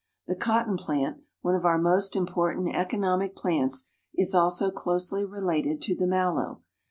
The cotton plant, one of our most important economic plants, is also closely related to the Mallow.